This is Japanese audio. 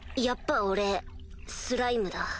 やっぱ俺スライムだ。